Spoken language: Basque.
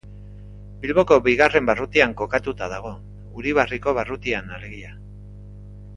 Bilboko bigarren barrutian kokatuta dago, Uribarriko barrutian alegia.